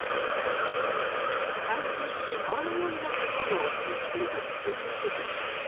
冠水し、川のようになった道路をゆっくりと進んでいく車。